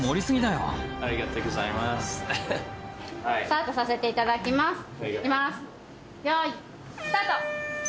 よーい、スタート。